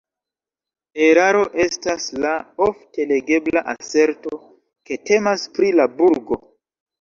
Eraro estas la ofte legebla aserto, ke temas pri la burgo.